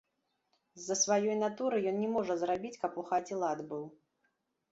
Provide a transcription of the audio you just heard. З-за сваёй натуры ён не можа зрабіць, каб у хаце лад быў.